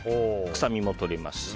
臭みもとれますし。